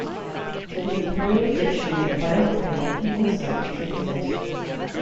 To the "Imperial Dictionary of Biography" he also contributed.